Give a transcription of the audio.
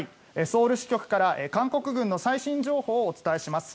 ソウル支局から韓国軍の最新情報をお伝えします。